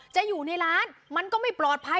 อยู่ในร้านมันก็ไม่ปลอดภัย